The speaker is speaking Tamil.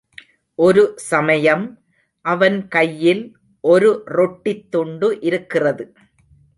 ஒரு சமயம் அவன் கையில் ஒரு ரொட்டித் துண்டு இருக்கிறது.